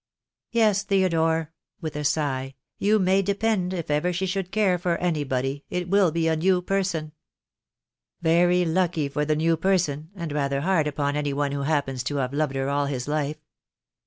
Yes, Theodore," with a sigh, "you may de pend if ever she should care for anybody, it will be a new person." "Very lucky for the new person, and rather hard upon any one who happens to have loved her all his life."